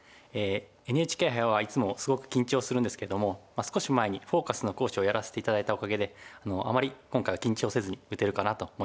ＮＨＫ杯はいつもすごく緊張するんですけども少し前に「フォーカス」の講師をやらせて頂いたおかげであまり今回は緊張せずに打てるかなと思いますね。